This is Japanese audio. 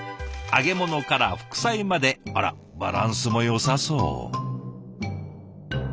揚げ物から副菜まであらバランスもよさそう。